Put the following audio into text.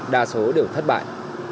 đa số đều thất bại